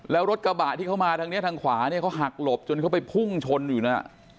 แล้วรถกระบะที่เขามาทางนี้ทางขวาเนี่ยเขาหักหลบจนเขาไปพุ่งชนอยู่นะ